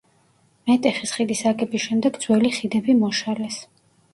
მეტეხის ხიდის აგების შემდეგ ძველი ხიდები მოშალეს.